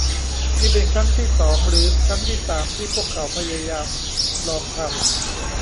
นี่เป็นครั้งที่สอง หรือครั้งที่สามที่พวกเขาพยายามลองทำ